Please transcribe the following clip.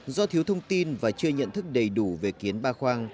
do thiếu thông tin và chưa nhận thức đầy đủ về kiến ba khoang